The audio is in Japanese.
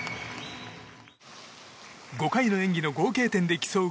５回の演技の合計点で競う